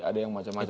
ada yang macam macam